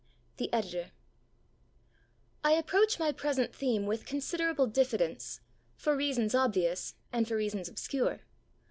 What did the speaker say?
V THE EDITOR I approach my present theme with considerable diffidence, for reasons obvious and for reasons obscure.